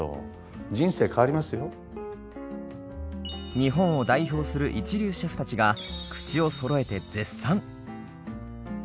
日本を代表する一流シェフたちが口をそろえて絶賛。